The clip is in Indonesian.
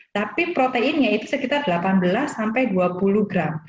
tapi proteinnya itu sekitar delapan belas sampai dua puluh gram